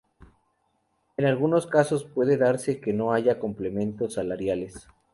En algunos casos puede darse que no haya complementos salariales.